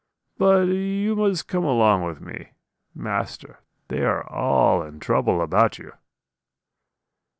But you must come along with me. Master; they are all in trouble about you.'